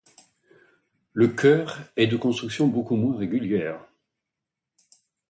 Le chœur est de construction beaucoup moins régulière.